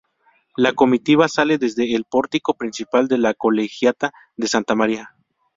La comitiva sale desde el pórtico principal de la Colegiata de Santa María.